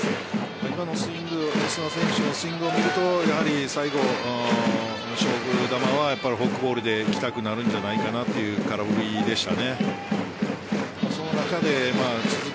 今のオスナ選手のスイングを見るとやはり最後の勝負球はフォークボールでいきたくなるんじゃないかなという空振りでした。